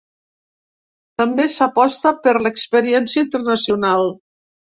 També s’aposta per l’experiència internacional.